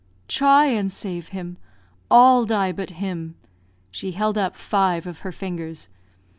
"Try and save him! All die but him." (She held up five of her fingers.)